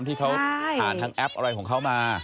ที่เขาผ่านทางแอปอะไรของเขามา